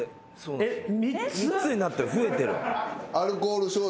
３つになって増えてる。